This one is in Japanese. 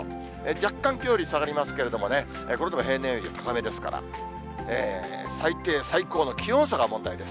若干、きょうより下がりますけれども、これでも平年より高めですから、最低最高の気温差が問題です。